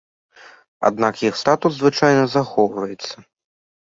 Аднак іх статус звычайна захоўваецца.